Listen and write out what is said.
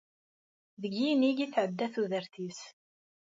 Deg yinig i tɛedda tudert-is.